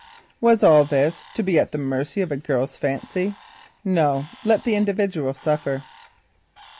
Was all this to be at the mercy of a girl's whim? No! let the individual suffer.